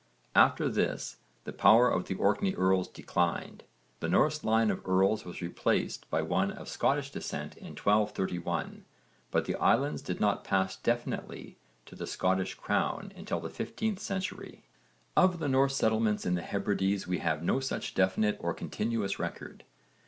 After this the power of the Orkney earls declined. The Norse line of earls was replaced by one of Scottish descent in 1231, but the islands did not pass definitely to the Scottish crown until the 15th century. Of the Norse settlements in the Hebrides we have no such definite or continuous record.